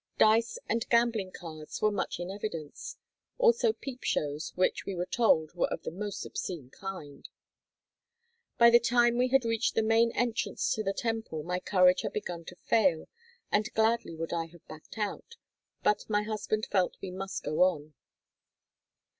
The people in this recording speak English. Dice and gambling cards were much in evidence; also peep shows, which we were told were of the most obscene kind. By the time we had reached the main entrance to the temple my courage had begun to fail, and gladly would I have backed out, but my husband felt we must go on.